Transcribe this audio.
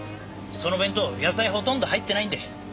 その弁当野菜ほとんど入ってないんで。